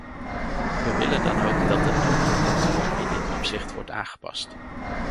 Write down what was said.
We willen dan ook dat de nomenclatuur in dit opzicht wordt aangepast.